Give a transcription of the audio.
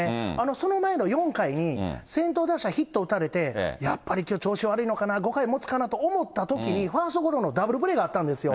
その前の４回に、先頭打者にヒットを打たれて、やっぱりきょう、調子悪いのかな、５回もつかなと思ったときに、ファーストゴロのダブルプレーがあったんですよ。